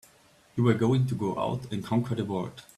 You were going to go out and conquer the world!